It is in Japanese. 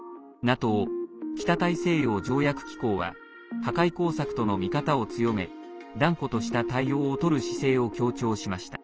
ＮＡＴＯ＝北大西洋条約機構は破壊工作との見方を強め断固とした対応をとる姿勢を強調しました。